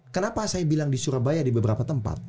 kenapa saya bilang di surabaya di beberapa tempat